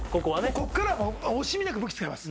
こっからはもう惜しみなく武器使います